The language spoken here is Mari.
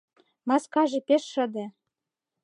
Маскаже пеш шыде.